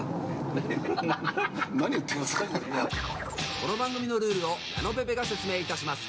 この番組のルールを矢野ぺぺが説明いたします。